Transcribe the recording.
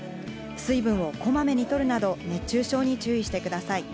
水分をこまめに取るなど熱中症に注意してください。